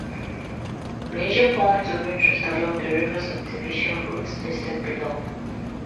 Major points of interest along the River Subdivision route listed below.